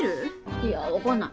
いや分かんない。